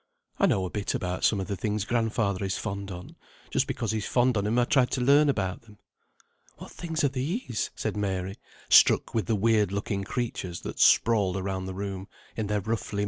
"I know a bit about some of the things grandfather is fond on; just because he's fond on 'em I tried to learn about them." "What things are these?" said Mary, struck with the weird looking creatures that sprawled around the room in their roughly made glass cases.